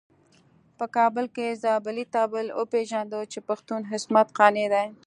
په کابل کې زابلي طالب وپيژانده چې پښتون عصمت قانع دی.